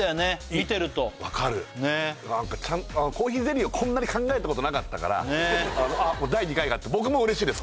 見てると分かるコーヒーゼリーをこんなに考えたことなかったから第２回があって僕も嬉しいです